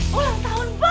ulang tahun boy